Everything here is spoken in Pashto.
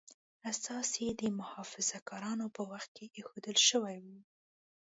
اساس یې د محافظه کارانو په وخت کې ایښودل شوی و.